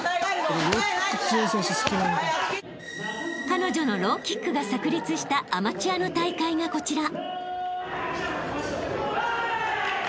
［彼女のローキックが炸裂したアマチュアの大会がこちら］